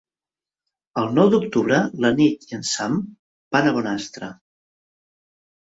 El nou d'octubre na Nit i en Sam van a Bonastre.